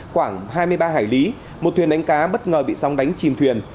khoảng hai mươi ba hải lý một thuyền đánh cá bất ngờ bị sóng đánh chìm thuyền